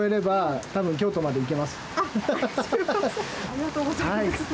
ありがとうございます。